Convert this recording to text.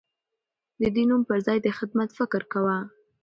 ده د نوم پر ځای د خدمت فکر کاوه.